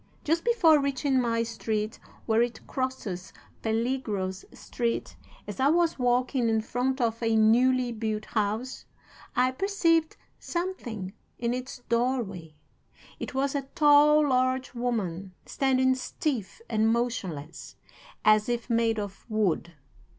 Just before reaching my street, where it crosses Peligros Street, as I was walking in front of a newly built house, I perceived something in its doorway. It was a tall, large woman, standing stiff and motionless, as if made of wood.